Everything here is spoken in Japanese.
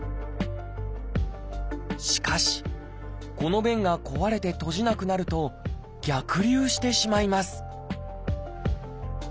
しかしこの弁が壊れて閉じなくなると逆流してしまいます